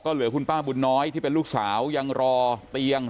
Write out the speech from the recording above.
เหลือคุณป้าบุญน้อยที่เป็นลูกสาวยังรอเตียง